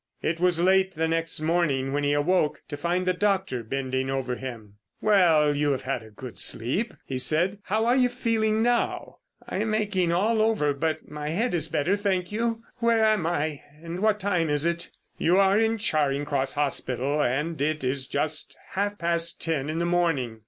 It was late the next morning when he awoke to find the doctor bending over him. "Well! You have had a good sleep," he said. "How are you feeling now?" "I am aching all over, but my head is better, thank you. Where am I?—and what time is it?" "You are in Charing Cross Hospital, and it is just half past ten in the morning."